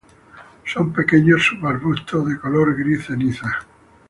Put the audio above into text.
Son pequeños subarbustos de color gris ceniza.